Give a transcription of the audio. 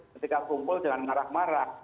ketika kumpul jangan marah marah